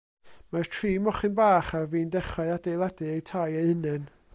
Mae'r tri mochyn bach ar fin dechrau adeiladu eu tai eu hunain.